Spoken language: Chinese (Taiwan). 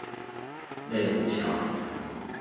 內湖橋